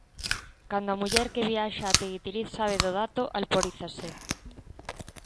Cando a muller que viaxa até Guitiriz sabe do dato, alporízase.